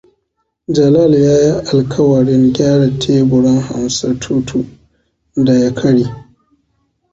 Jalal ya yi alkawarin gyara teburin Hamsatutu da ya karye.